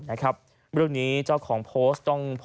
เล่านี้เจ้าของโพสต์ต้อง